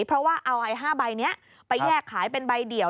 เพราะว่าเอาไอ้๕ใบนี้ไปแยกขายเป็นใบเดี่ยว